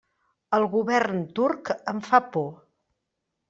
El govern turc em fa por.